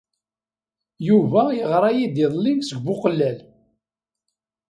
Yuba yeɣra-iyi-d iḍelli seg Buqellal.